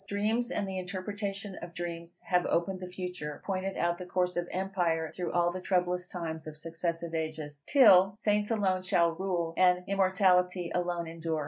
Dreams, and the interpretation of dreams, have opened the future, pointed out the course of empire through all the troublous times of successive ages, till Saints alone shall rule, and immortality alone endure.